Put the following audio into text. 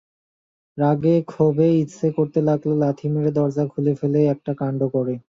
রাগে ক্ষোভে ইচ্ছে করতে লাগল লাথি মেরে দরজা খুলে ফেলে একটা কাণ্ড করে।